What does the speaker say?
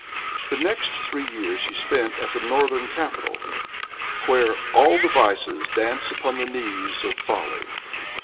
The next three years he spent at the northern capital, where " all the vices dance upon the knees of folly."